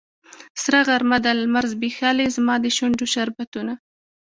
سره غرمه ده لمر ځبیښلې زما د شونډو شربتونه